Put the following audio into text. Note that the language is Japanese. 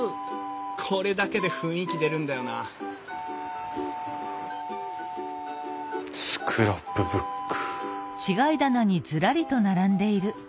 これだけで雰囲気出るんだよなスクラップブック。